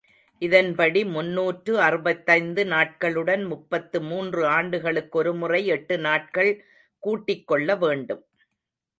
இதன்படி, முன்னூற்று அறுபத்தைந்து நாட்களுடன், முப்பத்து மூன்று ஆண்டுகளுக்கொருமுறை எட்டு நாட்கள் கூட்டிக் கொள்ள வேண்டும்.